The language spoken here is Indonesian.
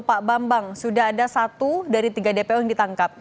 pak bambang sudah ada satu dari tiga dpo yang ditangkap